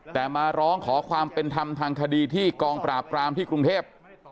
แต่มาร้องขอความเป็นธรรมทางคดีที่กองปราบกรามที่กรุงเทพ